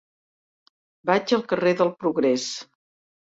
Vaig al carrer del Progrés.